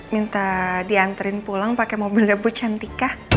minta diantarin pulang pake mobilnya bu jantika